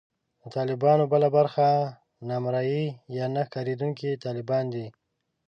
د طالبانو بله برخه نامرئي یا نه ښکارېدونکي طالبان دي